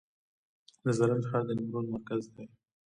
د زرنج ښار د نیمروز مرکز دی